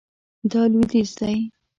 دا لویدیځ دی